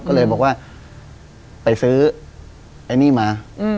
ก็เลยบอกว่าไปซื้อไอ้นี่มา